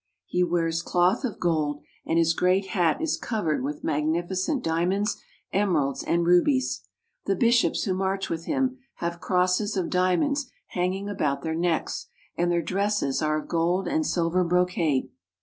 He wears cloth of gold and his great hat is covered with magnificent diamonds, emeralds, and rubies. The bishops who march with him have crosses of dia monds hanging about their necks, and their dresses are of gold and silver brocade.